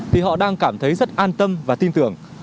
thì họ đang cảm thấy rất an tâm và tin tưởng